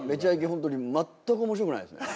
本当に全く面白くないですね。